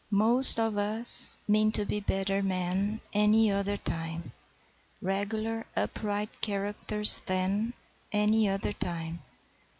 ..... Most of us mean to be better men Any other time: Regular upright characters then Any other time.